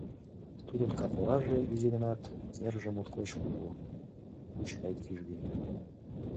Тудын кап ораже изи гынат, нерже моткоч кужу, пуч гай кӱжгӧ.